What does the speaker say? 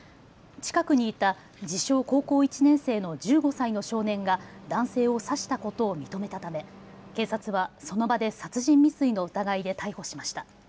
近くにいた自称、高校１年生の１５歳の少年が男性を刺したことを認めたため、警察は、その場で殺人未遂の疑いで逮捕しました。